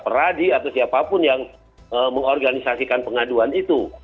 peradi atau siapapun yang mengorganisasikan pengaduan itu